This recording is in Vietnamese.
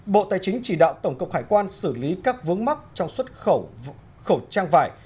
bộ tài chính chỉ đạo tổng cục hải quan xử lý các vướng mắc trong xuất khẩu khẩu trang vải